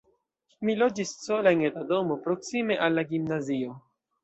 Mi loĝis sola en eta domo, proksime al la gimnazio.